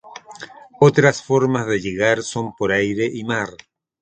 Otras formas de llegar son por aire y mar.